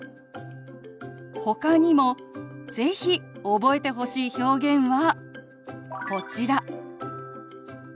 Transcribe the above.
ほかにも是非覚えてほしい表現はこちら。